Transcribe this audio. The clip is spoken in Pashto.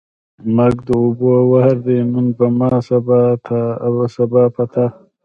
مرګ د اوبو وار دی نن په ما ، سبا په تا.